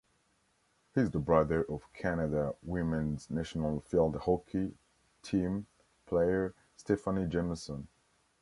He is the brother of Canada women's national field hockey team player Stephanie Jameson.